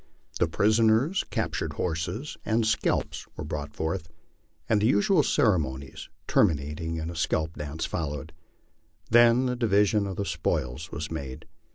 The prisoners, captured horses, and scalps were brought forth, and the usual ceremonies, terminating in a scalp dance, followed. Then the division of the spoils was made.